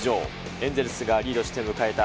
エンゼルスがリードして迎えた